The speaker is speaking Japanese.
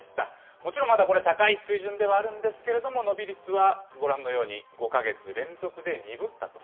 もちろん、まだこれ、高い水準ではあるんですけれども、伸び率はご覧のように５か月連続で鈍ったと。